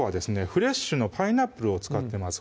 フレッシュのパイナップルを使ってます